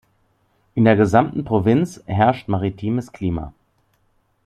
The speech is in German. In der gesamten Provinz herrscht maritimes Klima.